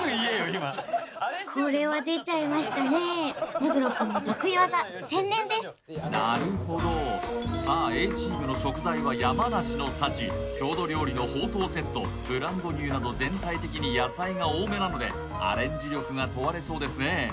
今これは出ちゃいましたね目黒くんの得意技天然ですなるほどさあＡチームの食材は山梨の幸郷土料理のほうとうセットブランド牛など全体的に野菜が多めなのでアレンジ力が問われそうですね